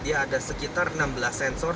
dia ada sekitar enam belas sensor